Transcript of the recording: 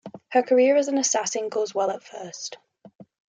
Her career as an assassin goes well at first.